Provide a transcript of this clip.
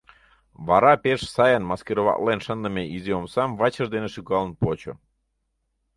Вара пеш сайын маскироватлен шындыме изи омсам вачыж дене шӱкалын почо.